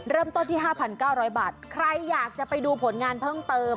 เริ่มต้นที่๕๙๐๐บาทใครอยากจะไปดูผลงานเพิ่มเติม